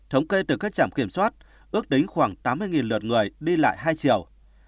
chống cây từ các trạm kiểm soát ước tính khoảng tám mươi lượt người đi lại hai triệu